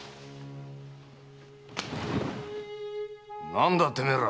何だてめえら？